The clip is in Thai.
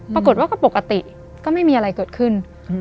ปรากฏว่าก็ปกติก็ไม่มีอะไรเกิดขึ้น